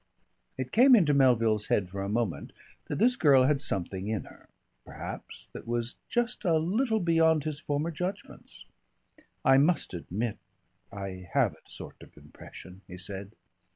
It came into Melville's head for a moment that this girl had something in her, perhaps, that was just a little beyond his former judgments. "I must admit, I have a sort of impression," he said.